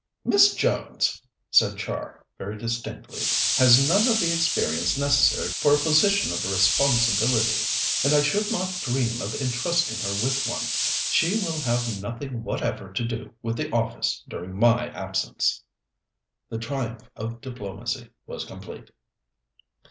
"Miss Jones," said Char, very distinctly, "has none of the experience necessary for a position of responsibility, and I should not dream of entrusting her with one. She will have nothing whatever to do with the office during my absence." The triumph of diplomacy was complete.